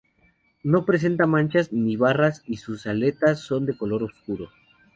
No presenta manchas ni barras y sus aletas son de color oscuro.